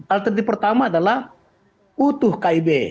alternatif pertama adalah utuh kib